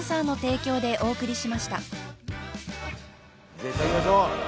じゃあ、いただきましょう。